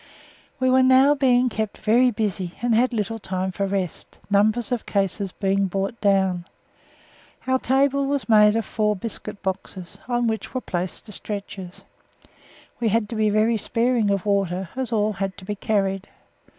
We were now being kept very busy and had little time for rest, numbers of cases being brought down. Our table was made of four biscuit boxes, on which were placed the stretchers. We had to be very sparing of water, as all had to be carried.